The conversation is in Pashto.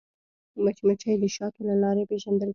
مچمچۍ د شاتو له لارې پیژندل کېږي